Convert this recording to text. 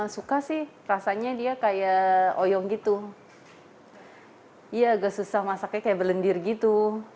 suka sih rasanya dia kayak oyong gitu ya agak susah masaknya kayak belendir gitu